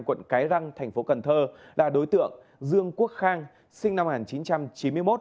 quận cái răng thành phố cần thơ là đối tượng dương quốc khang sinh năm một nghìn chín trăm chín mươi một